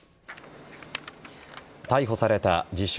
逮捕された自称